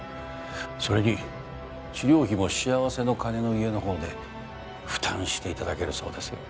それに治療費もしあわせの鐘の家のほうで負担して頂けるそうですよ。